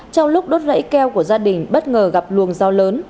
trong lúc đốt rẫy keo của gia đình bất ngờ gặp luồng gió lớn